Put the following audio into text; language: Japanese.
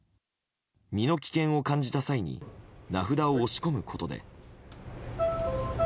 身の危険を感じた際に名札を押し込むことで。